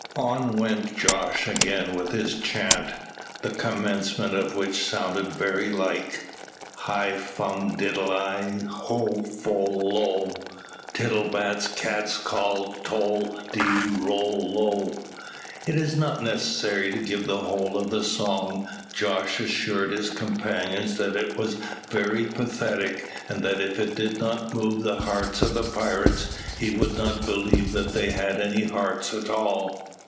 On went Jos again with his chaunt, the commencement of which sounded very like Hi fum diddle eye, ho fol lol, Tittle bats cats call, tol de rol lol. It is not necessary to give the whole of the song. Jos assured his companions that it was very pathetic, and that if it did not move the hearts of the pirates he would not believe that they had any hearts at all.